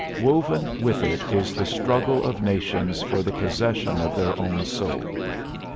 Woven with it is the struggle of nations for the possession of their own soul.